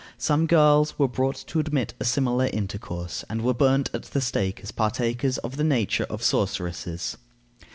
Some girls were brought to admit a similar intercourse, and were burnt at the stake as partakers of the nature of sorceresses.